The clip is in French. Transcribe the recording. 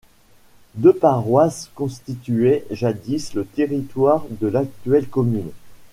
Deux paroisses constituaient jadis le territoire de l'actuelle commune.